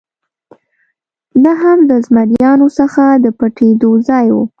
نه هم له زمریانو څخه د پټېدو ځای و.